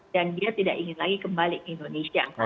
dan dia tidak ingin lagi kembali ke indonesia